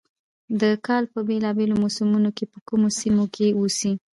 د کال په بېلا بېلو موسمونو کې په کومو سيمو کښې اوسي،